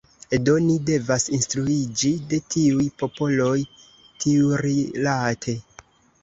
Do, ni devas instruiĝi de tiuj popoloj tiurilate.